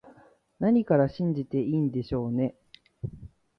何から信じていいんでしょうね